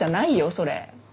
それ。